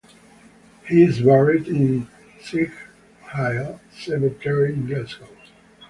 He is buried in Sighthill Cemetery in Glasgow.